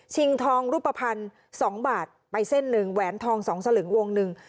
ทองรูปภัณฑ์๒บาทไปเส้นหนึ่งแหวนทอง๒สลึงวงหนึ่ง